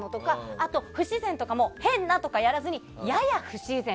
あと、不自然とかも変なとかやらずにやや不自然。